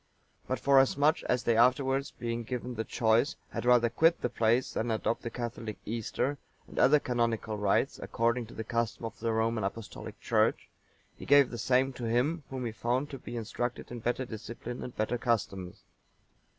But, forasmuch as they afterwards, being given the choice, had rather quit the place than adopt the Catholic Easter and other canonical rites, according to the custom of the Roman Apostolic Church, he gave the same to him whom he found to be instructed in better discipline and better customs.